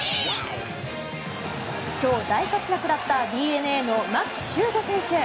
今日、大活躍だったＤｅＮＡの牧秀悟選手。